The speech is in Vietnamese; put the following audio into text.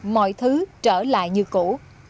mọi thứ trở lại như cũ